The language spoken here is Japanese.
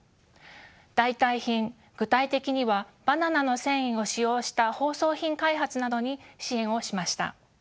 代替品具体的にはバナナの繊維を使用した包装品開発などに支援をしました。